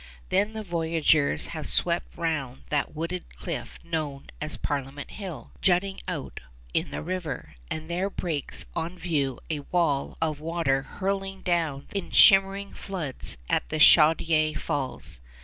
Then the voyageurs have swept round that wooded cliff known as Parliament Hill, jutting out in the river, and there breaks on view a wall of water hurtling down in shimmering floods at the Chaudière Falls.